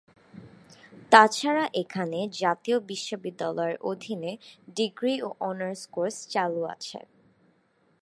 তাছাড়া এখানে জাতীয় বিশ্ববিদ্যালয়ের অধীনে ডিগ্রি ও অনার্স কোর্স চালু আছে।